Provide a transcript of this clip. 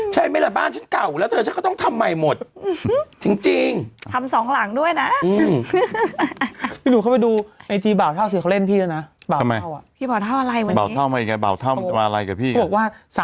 ใช่ไหมละบ้านฉันเก่าแล้ว